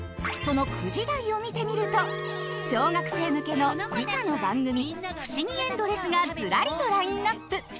その９時台を見てみると小学生向けの理科の番組「ふしぎエンドレス」がズラリとラインナップ。